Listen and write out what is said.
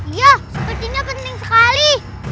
iya sepertinya penting sekali